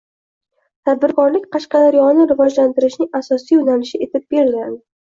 Tadbirkorlik Qashqadaryoni rivojlantirishning asosiy yo‘nalishi etib belgilandi